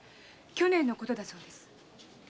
去年の事だそうです。